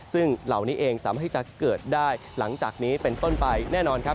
ซึ่งเหล่านี้เองสามารถที่จะเกิดได้หลังจากนี้เป็นต้นไปแน่นอนครับ